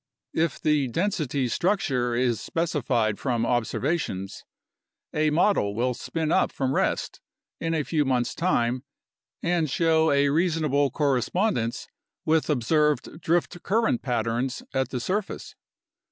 If the density structure is specified from observations, a model will spin up from rest in a few months' time and show a reasonable correspondence with observed drift current patterns at the surface.